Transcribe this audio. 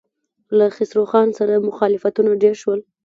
له خسرو خان سره مخالفتونه ډېر شول.